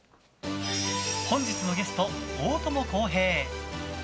本日のゲスト、大友康平！